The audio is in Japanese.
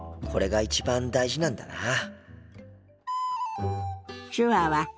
これが一番大事なんだな。